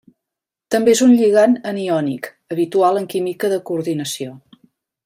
També és un lligand aniònic habitual en química de coordinació.